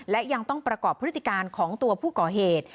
และยังต้องประกอบพฤติการของตัวผู้ก่อเหตุ